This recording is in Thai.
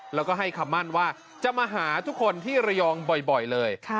แล้วก็ให้คำมั่นว่าจะมาหาทุกคนที่ระยองบ่อยเลย